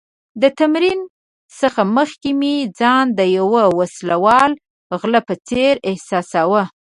د تمرین څخه مخکې مې ځان د یو وسله وال غله په څېر احساساوه.